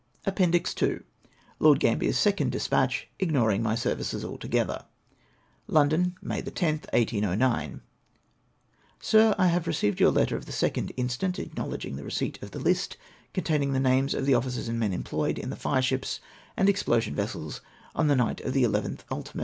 APPENDIX 11. LORD GAMBIER S SECOND DESPATCH IGNORING MY SERVICES ALTOGETHER. London, May 10th, 1809. Sir, — I have received your letter of the 2nd instant, acknowledging the receipt of the list, containing the names of the officers and men employed in the fireships and ex plosion vessels on the night of the 11th ult.